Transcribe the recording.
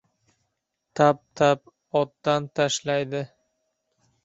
Tap-tap otdan tashlaydi.